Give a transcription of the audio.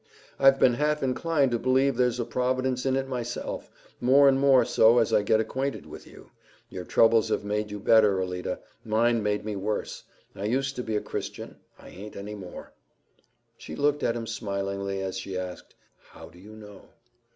"I've been half inclined to believe there's a Providence in it myself more and more so as I get acquainted with you. Your troubles have made you better, Alida; mine made me worse. I used to be a Christian; I aint any more." She looked at him smilingly as she asked, "How do you know?"